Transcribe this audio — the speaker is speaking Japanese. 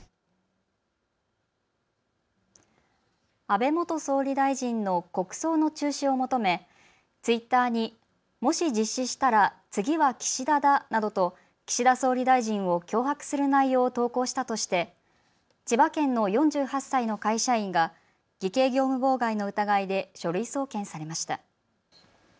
安倍元総理大臣の国葬の中止を求め、ツイッターにもし実施したら次は岸田だなどと岸田総理大臣を脅迫する内容を投稿したとして千葉県の４８歳の会社員が偽計業務妨害の疑いで書類送検されました。